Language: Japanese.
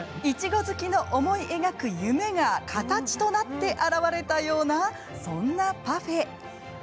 いちご好きの思い描く夢が形となって現れたようなそんなパフェ。